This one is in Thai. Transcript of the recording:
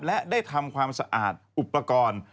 และได้ทำความสะอาดอุปกรณ์